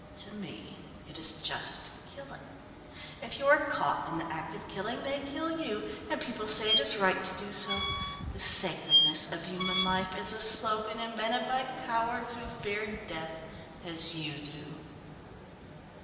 To me it is just killing. If you are caught in the act of killing they kill you, and people say it is right to do so. The sacredness of human life is a slogan invented by cowards who fear death as you do."